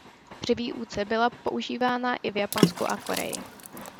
Při výuce byla používána i v Japonsku a Koreji.